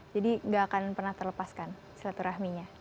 jadi gak akan pernah terlepaskan selatu rahminya